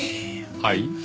はい？